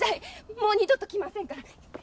もう二度と来ませんから。